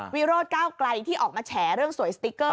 วิโรธก้าวไกลที่ออกมาแฉเรื่องสวยสติ๊กเกอร์